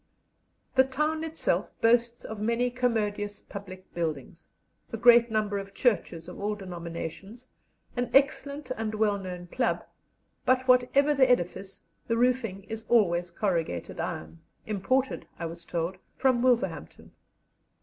The town itself boasts of many commodious public buildings, a great number of churches of all denominations, an excellent and well known club; but whatever the edifice, the roofing is always corrugated iron, imported, I was told, from Wolverhampton.